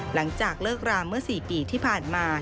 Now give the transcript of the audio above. หลังจากเลิกราเมื่อ๔ปีที่ผ่านมา